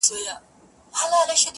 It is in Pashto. ځغلول يې موږكان تر كور او گوره؛